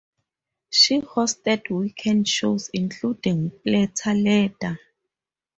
She hosted weekend shows including "Platter Ladder".